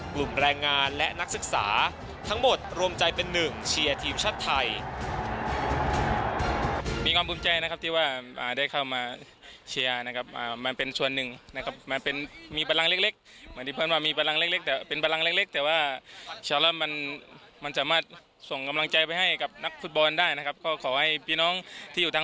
กลุ่มแรงงานและนักศึกษาทั้งหมดรวมใจเป็นหนึ่งเชียร์ทีมชาติไทย